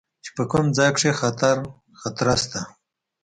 چې په کوم ځاى کښې خطره سته.